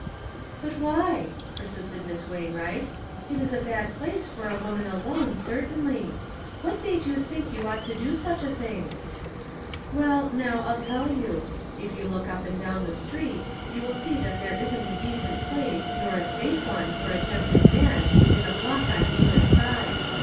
" But why ?" persisted Miss Wainwright, "it is a bad place for a woman alone, cer tainly. What made you think you ought to do such a thing?" " Well, now, 111 tell you. If you look up and down the street, you will see that there isn't a decent place nor a safe one for 296 ONE COMMONPLACE DAY. a tempted man, within a block on either side.